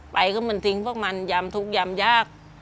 ไปก็มันทิ้งพวกมันยามทุกข์ยามยาก